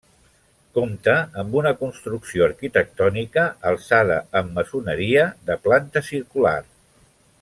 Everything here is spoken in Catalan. Compta amb una construcció arquitectònica alçada amb maçoneria, de planta circular.